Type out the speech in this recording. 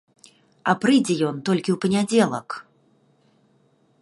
А прыйдзе ён толькі ў панядзелак.